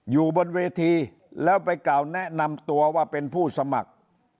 อยู่บนเวทีแล้วไปกล่าวแนะนำตัวว่าเป็นผู้สมัคร